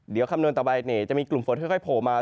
เดี๋ยวคำนวณต่อไปจะมีกลุ่มฝนค่อยโผล่มา